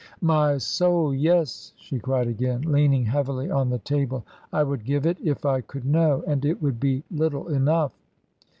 "My soul! yes!" she cried again, leaning heavily on the table, "I would give it if I could know, and it would be little enough!"